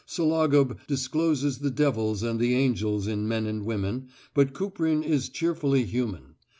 Sologub discloses the devils and the angels in men and women, but Kuprin is cheerfully human.